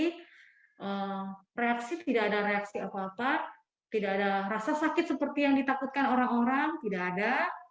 reaksi tidak ada reaksi apa apa tidak ada rasa sakit seperti yang ditakutkan orang orang tidak ada